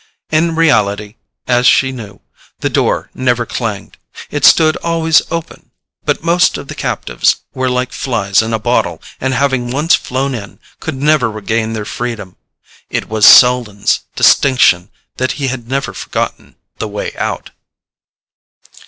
In reality, as she knew, the door never clanged: it stood always open; but most of the captives were like flies in a bottle, and having once flown in, could never regain their freedom. It was Selden's distinction that he had never forgotten the way out.